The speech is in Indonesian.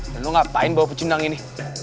dan lu ngapain bawa pecundang ini